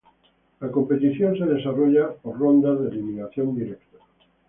La competición se desarrolla por rondas de eliminación directa.